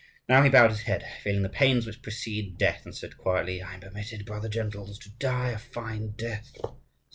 Now he bowed his head, feeling the pains which precede death, and said quietly, "I am permitted, brother gentles, to die a fine death.